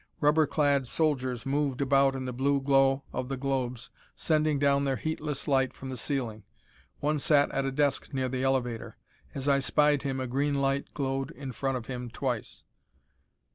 Rubber clad soldiers moved about in the blue glow of the globes sending down their heatless light from the ceiling. One sat at a desk near the elevator. As I spied him a green light glowed in front of him twice.